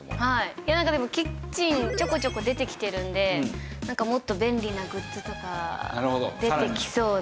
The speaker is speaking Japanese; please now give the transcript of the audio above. いやなんかでもキッチンちょこちょこ出てきてるのでなんかもっと便利なグッズとか出てきそうな。